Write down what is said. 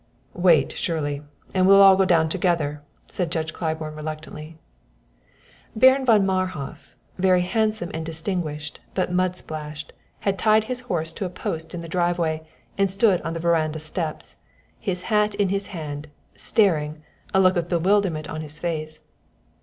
"Wait, Shirley, and we will all go down together," said Judge Claiborne reluctantly. Baron von Marhof, very handsome and distinguished, but mud splashed, had tied his horse to a post in the driveway, and stood on the veranda steps, his hat in his hand, staring, a look of bewilderment on his face.